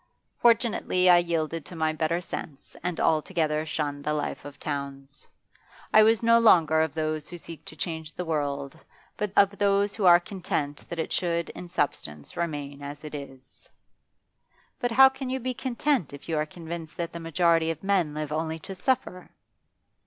Fortunately I yielded to my better sense and altogether shunned the life of towns. I was no longer of those who seek to change the world, but of those who are content that it should in substance remain as it is.' 'But how can you be content, if you are convinced that the majority of men live only to suffer?